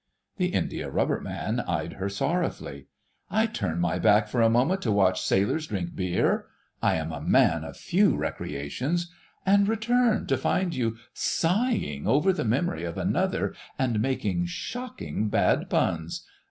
The Indiarubber Man eyed her sorrowfully. "I turn my back for a moment to watch sailors drink beer—I am a man of few recreations—and return to find you sighing over the memory of another and making shocking bad puns.